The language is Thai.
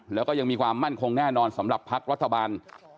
แล้วก็ยังมีความมั่นคงแน่นอนสำหรับพักรัฐบาล